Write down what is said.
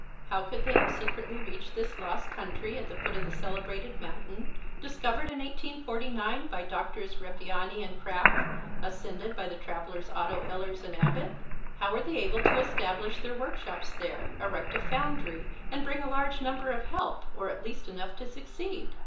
How could they have secretly reached this lost country, at the foot of the celebrated mountain, discovered in 1849 by Drs. Rebviani and Krapf, ascended by the travellers Otto Ehlers and Abbot? How were they able to establish their workshops there, erect a foundry and bring a large number of help, or at least enough to succeed?